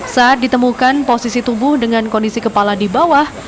saat ditemukan posisi tubuh dengan kondisi kepala di bawah